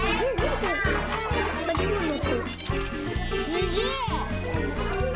すげえ！